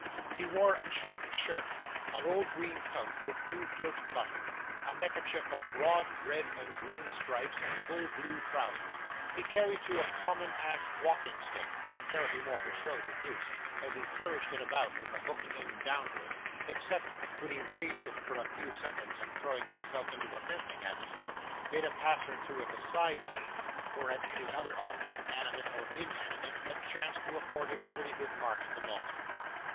He wore a checked shirt, an old green coat with new gilt buttons, a neckerchief of broad red and green stripes, and full blue trousers; he carried, too, a common ash walking stick, apparently more for show than use, as he flourished it about, with the hooked end downwards, except when he raised it for a few seconds, and throwing himself into a fencing attitude, made a pass or two at the side scenes, or at any other object, animate or inanimate, that chanced to afford him a pretty good mark at the moment.